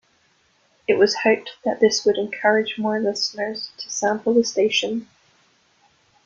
It was hoped that this would encourage more listeners to sample the station.